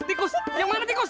tikus yang mana tikus